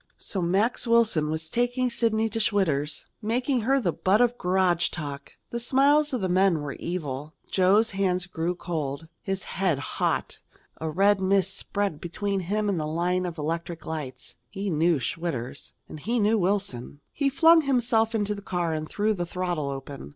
So Max Wilson was taking Sidney to Schwitter's, making her the butt of garage talk! The smiles of the men were evil. Joe's hands grew cold, his head hot. A red mist spread between him and the line of electric lights. He knew Schwitter's, and he knew Wilson. He flung himself into his car and threw the throttle open.